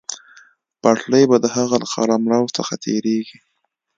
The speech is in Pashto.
پټلۍ به د هغه له قلمرو څخه تېرېږي.